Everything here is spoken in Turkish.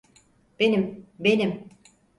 Benim, benim.